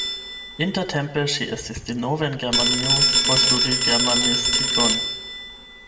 Intertempe ŝi estis denove en Germanio por studi germanistikon.